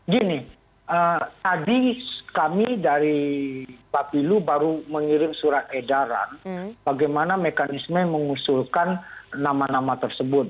gini tadi kami dari bapilu baru mengirim surat edaran bagaimana mekanisme mengusulkan nama nama tersebut